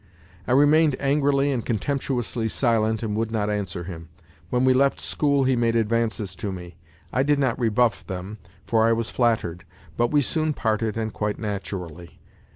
I remained angrily and contemptuously silent and would not answer him. When we left school he made advances to me; I did not rebuff them, for I was flattered, but we soon parted and quite naturally.